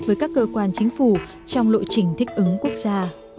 với các cơ quan chính phủ trong lộ trình thích ứng quốc gia